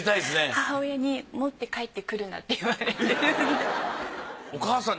母親に持って帰ってくるなって言われてるんで。